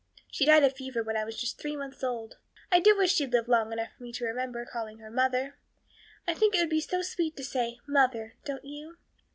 She died of fever when I was just three months old. I do wish she'd lived long enough for me to remember calling her mother. I think it would be so sweet to say 'mother,' don't you?